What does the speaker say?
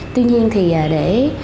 tuy nhiên thì để